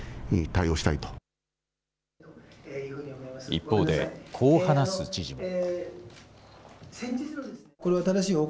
一方で、こう話す知事も。